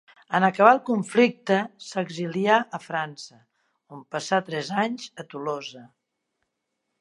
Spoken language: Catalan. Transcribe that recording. En acabar el conflicte, s'exilià a França, on passà tres anys a Tolosa.